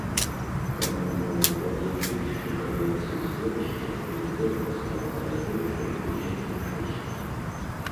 Таму можна падлічыць, што калі акцыз вырасце, то бутэлька стане даражэйшай тысяч на шэсць.